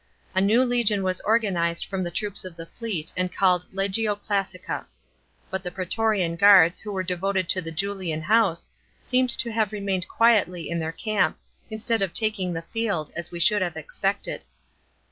A new legion was organised from the troops of the fleet and called legio classica. But the praetorian guards, who were devoted to the Julian house, seemed to have remained quietly in their camp, instead of taking the field, as we should have expected.